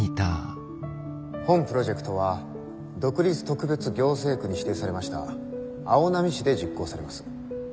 本プロジェクトは独立特別行政区に指定されました青波市で実行されます。